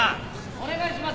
お願いします。